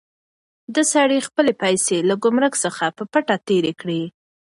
دې سړي خپلې پیسې له ګمرک څخه په پټه تېرې کړې.